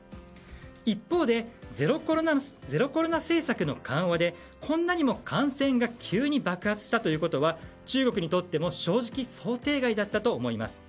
一方で、ゼロコロナ政策の緩和でこんなにも感染が急に爆発したということは中国にとっても正直、想定外だったと思います。